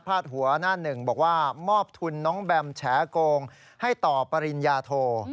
หัวหน้าหนึ่งบอกว่ามอบทุนน้องแบมแฉโกงให้ต่อปริญญาโท